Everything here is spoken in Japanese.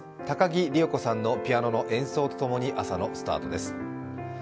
高木里代子さんのピアノの演奏と共に朝のスタートです。